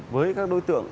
với các đối tượng